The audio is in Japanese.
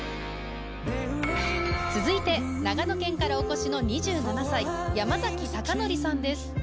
続いて長野県からお越しの２７歳山崎貴記さんです。